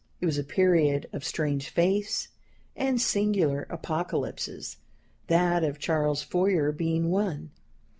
It was a period of strange faiths and singular apocalypses that of Charles Fourier being one.